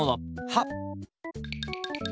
はっ！